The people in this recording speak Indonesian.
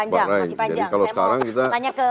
jadi kalau sekarang kita